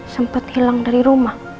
sempat hilang dari rumah